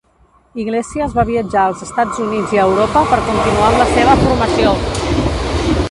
Yglesias va viatjar als Estats Units i a Europa per continuar amb la seva formació.